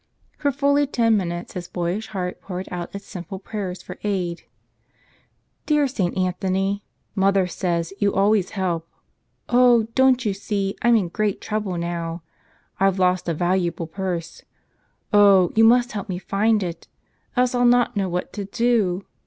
For fully ten min¬ utes his boyish heart poured out its simple prayers for aid. "Dear St. Anthony, mother says you always help. Oh, don't you see I'm in great trouble now? I've lost a valuable purse. Oh, you must help me find it. Else I'll not know what to do.